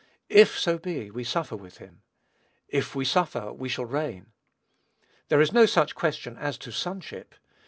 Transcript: "If so be we suffer with him." "If we suffer, we shall reign." There is no such question as to sonship.